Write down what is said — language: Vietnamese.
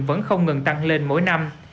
vẫn không ngừng tăng lên mỗi năm